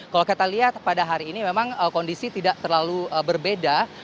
kalau kita lihat pada hari ini memang kondisi tidak terlalu berbeda